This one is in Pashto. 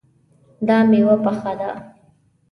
دا میوه پخه ده